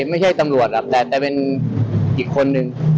ไม่ใช่ตำรวจหรอกแต่จะเป็นอีกคนนึง